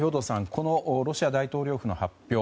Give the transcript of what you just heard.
このロシア大統領府の発表